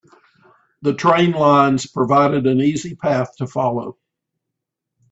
The train lines provided an easy path to follow.